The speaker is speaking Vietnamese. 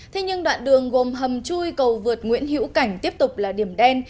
thế nhưng đoạn đường gồm hầm chui cầu vượt nguyễn hữu cảnh tiếp tục là điểm đen